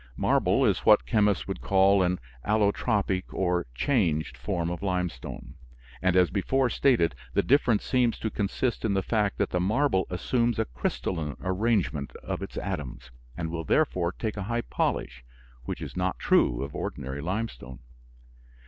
Marble is what chemists would call an allotropic or changed form of limestone; and, as before stated, the difference seems to consist in the fact that the marble assumes a crystalline arrangement of its atoms and will therefore take a high polish, which is not true of ordinary limestone.